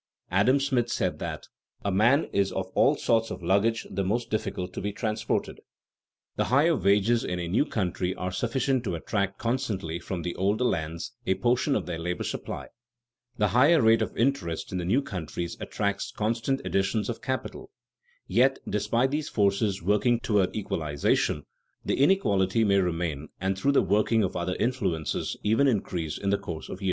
Adam Smith said that "a man is of all sorts of luggage the most difficult to be transported." The higher wages in a new country are sufficient to attract constantly from the older lands a portion of their labor supply; the higher rate of interest in the new countries attracts constant additions of capital; yet, despite these forces working toward equalization, the inequality may remain and through the working of other influences even increase in the course of years.